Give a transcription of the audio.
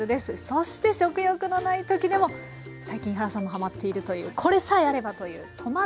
そして食欲のない時でも最近井原さんもはまっているというこれさえあればというトマトみそ